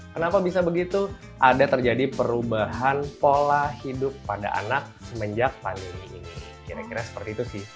kenapa bisa begitu ada terjadi perubahan pola hidup pada anak semenjak pandemi ini kira kira seperti itu sih